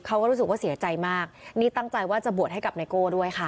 เขาก็รู้สึกว่าเสียใจมากนี่ตั้งใจว่าจะบวชให้กับไนโก้ด้วยค่ะ